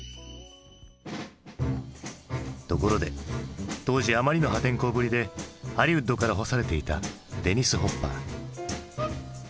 ところで当時あまりの破天荒ぶりでハリウッドから干されていたデニス・ホッパー。